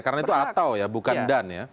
karena itu atau ya bukan dan ya